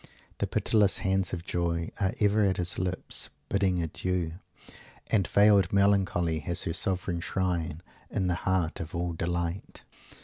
The pitiless hands of Joy "are ever at his lips, bidding adieu" and "veiled melancholy has her 'sovran shrine' in the heart of all delight."